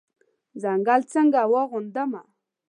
ځنګل څنګه واغوندمه